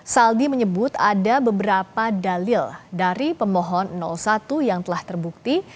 saldi menyebut ada beberapa dalil dari pemohon satu yang telah terbukti